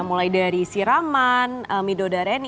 mulai dari si raman mido d'areni